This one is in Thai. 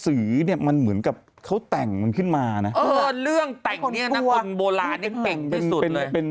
เออเรื่องแต่งนี้นักคุณโบราณนี่เก่งที่สุดเลย